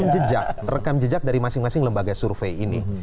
jadi kita harus rekam jejak dari masing masing lembaga survei ini